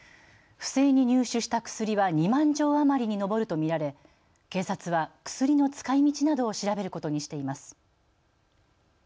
不正に入手した薬は２万錠余りに上ると見られ警察は、薬の使いみちなどを調べることにしています。